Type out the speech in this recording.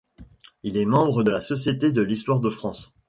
Il est membre de la Société de l'histoire de France.